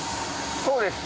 そうですね